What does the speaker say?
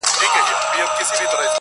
شا و خوا د تورو کاڼو کار و بار دی,